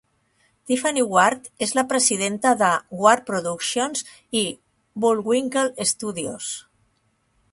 Tiffany Ward és la presidenta de Ward Productions i Bullwinkle Studios.